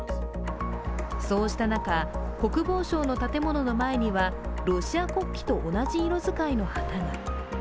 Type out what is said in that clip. そうした中、国防省の建物の前にはロシア国旗と同じ色使いの旗が。